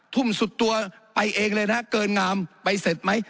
ทุ่มสุดตัวไปเองเลยนะเกินงามไปเสร็จไหม